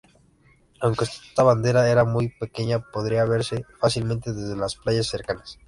Aunque esta bandera era muy pequeña, podía verse fácilmente desde las playas cercanas.